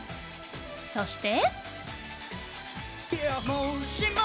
そして。